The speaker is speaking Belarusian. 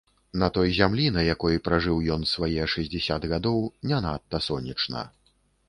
На той зямлі, на якой прыжыў ён свае шэсцьдзесят гадоў, не надта сонечна.